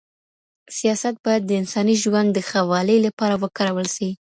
سياست بايد د انساني ژوند د ښه والي لپاره وکارول سي.